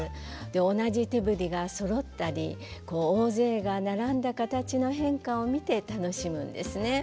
同じ手振りがそろったり大勢が並んだ形の変化を見て楽しむんですね。